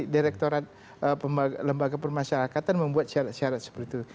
direktorat lembaga permasyarakatan membuat syarat syarat seperti itu